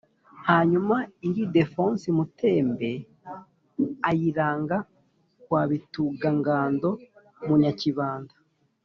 hanyuma Ildefonsi Mutembe ayiranga kwa Bitugangando, mu Nyakibanda.